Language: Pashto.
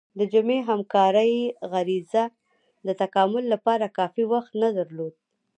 د جمعي همکارۍ غریزه د تکامل لپاره کافي وخت نه درلود.